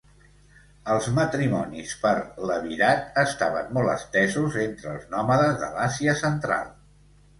Els matrimonis per levirat estaven molt estesos entre els nòmades de l'Àsia central.